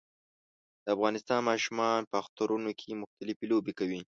د افغانستان ماشومان په اخترونو کې مختلفي لوبې کوي